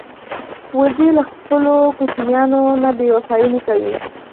وزې له خپلو کوچنیانو نه بېوفايي نه کوي